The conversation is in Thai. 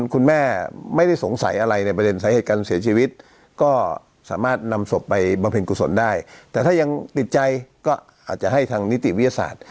การเสียชีวิตก็สามารถนำศพไปบำเพ็ญกุศลได้แต่ถ้ายังติดใจก็อาจจะให้ทางนิติวิทยาศาสตร์